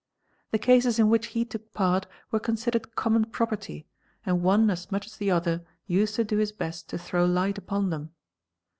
The cases in which he took part were considered common property and one as much as the other used to do his best to throw light upon them.